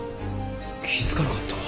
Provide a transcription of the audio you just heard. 気づかなかった。